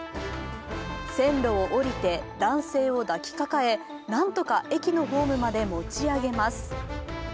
線路をおりて、男性を抱きかかえなんとか駅のホームまで持ち上げます。